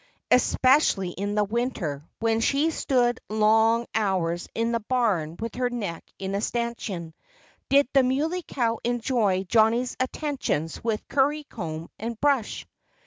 Especially in the winter, when she stood long hours in the barn with her neck in a stanchion, did the Muley Cow enjoy Johnnie's attentions with currycomb and brush.